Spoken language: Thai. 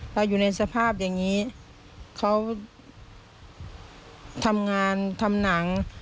เราอยู่ในสภาพอย่างนี้เขาทำงานทำหนัง